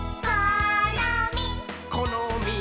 「このみっ！」